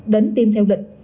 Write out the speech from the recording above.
đến tiêm theo lịch